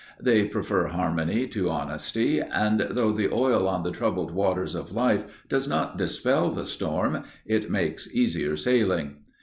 They prefer harmony to honesty, and, though the oil on the troubled waters of life does not dispel the storm, it makes easier sailing.